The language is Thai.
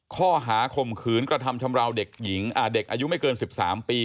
ข้อหาคมขืนกระทำชำระวเด็กอายุไม่เกิน๑๓ปี